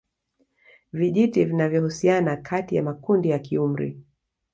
Vijiti vinavyohusiana kati ya makundi ya kiumri